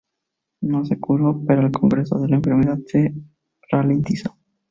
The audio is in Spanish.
No se curó, pero el progreso de la enfermedad se ralentizó.